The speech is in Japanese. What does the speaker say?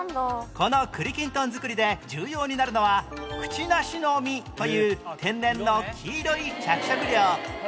この栗きんとん作りで重要になるのはくちなしの実という天然の黄色い着色料